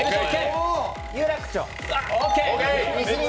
有楽町。